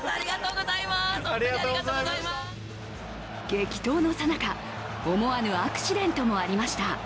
激闘のさなか、思わぬアクシデントもありました。